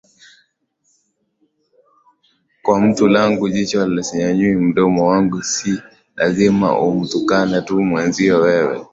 kwa mtu langu jicho sinyanyui mdomo wangu si lazima umtukane tu mwenzio wewe